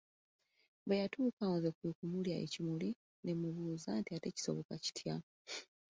Bwe yatuuka awo nze kwe kumulya ekimuli ne mmubuuza nti ate kisoboka kitya?